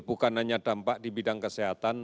bukan hanya dampak di bidang kesehatan